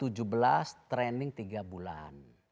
tujuh belas training tiga bulan